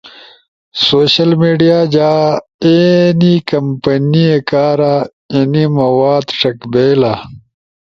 سوشل میڈیا جاں اینی کمپینے کارا اینی مواد ݜک بئیلا۔